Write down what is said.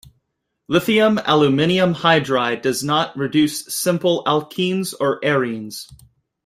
Lithium aluminium hydride does not reduce simple alkenes or arenes.